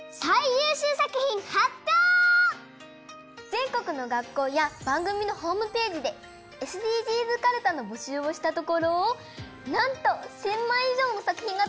ぜんこくのがっこうやばんぐみのホームページでＳＤＧｓかるたのぼしゅうをしたところなんと１，０００まいいじょうのさくひんがとどいたよ。